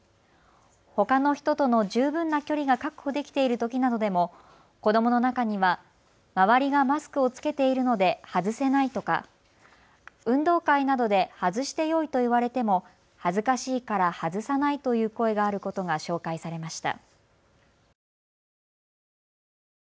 ほかの人との十分な距離が確保できているときなどでも子どもの中には周りがマスクを着けているので外せないとか、運動会などで外してよいと言われても恥ずかしいから外さないという声があることが紹介されました。